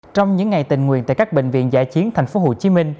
trong những ngày tình nguyện tại các bệnh viện giải chiến tp hcm